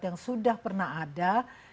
yang sudah pernah ada